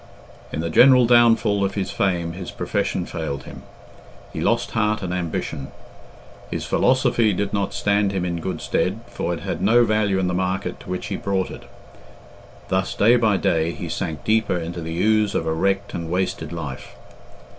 In the general downfall of his fame his profession failed him. He lost heart and ambition. His philosophy did not stand him in good stead, for it had no value in the market to which he brought it. Thus, day by day, he sank deeper into the ooze of a wrecked and wasted life.